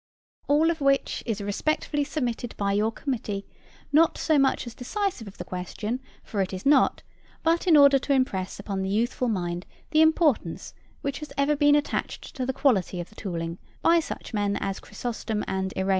"All which is respectfully submitted by your committee, not so much as decisive of the question, (for it is not,) but in order to impress upon the youthful mind the importance which has ever been attached to the quality of the tooling by such men as Chrysostom and Irenæus."